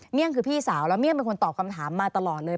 ี่ยงคือพี่สาวแล้วเมี่ยงเป็นคนตอบคำถามมาตลอดเลย